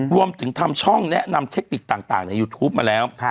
รวมถึงทำช่องแนะนำเทคนิคต่างในยูทูปมาแล้ว